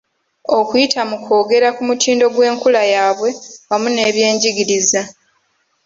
Okuyita mu kwongera ku mutindo gw’enkula yaabwe wamu n’ebyenjigiriza.